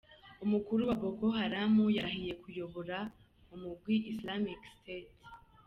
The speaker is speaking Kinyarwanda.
Umukuru wa Boko Haram yarahiye kuyoboka umugwi Islamic State.